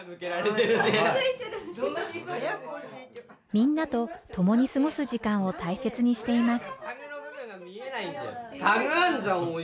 みんなと共に過ごす時間を大切にしています。